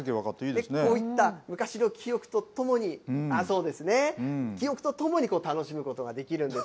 こういった昔の記憶とともに、楽しむことができるんです。